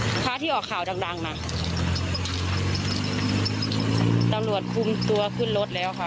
พระที่ออกข่าวดังดังอ่ะตำรวจคุมตัวขึ้นรถแล้วค่ะ